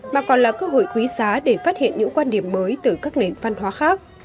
mà còn là cơ hội quý giá để phát hiện những quan điểm mới từ các nền văn hóa khác